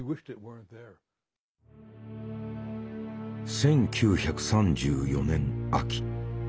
１９３４年秋。